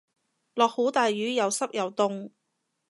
落好大雨又濕又凍